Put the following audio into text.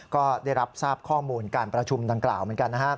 ก็ได้รับทราบข้อมูลการประชุมดังกล่าวเหมือนกัน